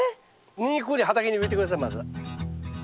ニンニクここに畑に植えて下さいまず。